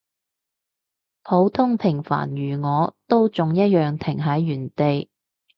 普通平凡如我，都仲一樣停喺原地